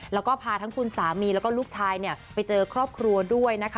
แล้วก็พาทั้งคุณสามีแล้วก็ลูกชายไปเจอครอบครัวด้วยนะคะ